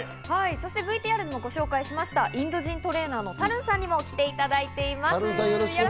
ＶＴＲでもご紹介しましたインド人トレーナーのタルンさんにも来ていただきました。